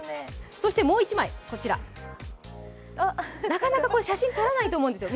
そしてもう一枚、こちら、なかなか写真撮らないと思うんですよ。